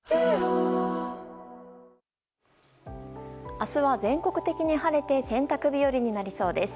明日は全国的に晴れて洗濯日和になりそうです。